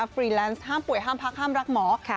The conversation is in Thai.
ฟรีแลนซ์ห้ามป่วยห้ามพักห้ามรักหมอ